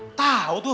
hai tahu tuh